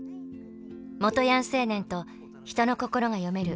元ヤン青年と人の心が読める